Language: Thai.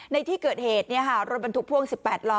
ในที่เกิดเหตุเนี่ยฮะรถบันทุกพ่วงสิบแปดล้อ